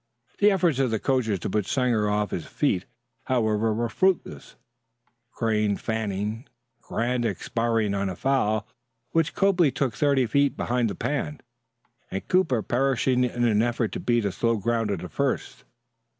The efforts of the coachers to put Sanger off his feet, however, were fruitless, Crane fanning, Grant expiring on a foul which Copley took thirty feet behind the pan, and Cooper perishing in an effort to beat a slow grounder to first.